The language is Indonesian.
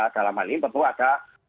dalam hal ini tentu ada